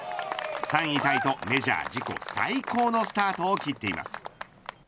３位タイとメジャー自己最高のスタートを切っています。